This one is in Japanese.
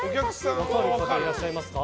分かる方いらっしゃいますか。